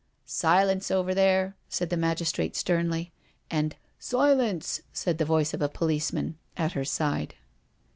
" Silence over there," said the magistrate sternly. And " Silence," said the voice of a policeman at her side.